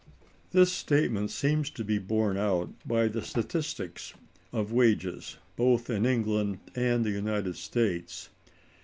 This statement seems to be borne out by the statistics of wages(176) both in England and the United States.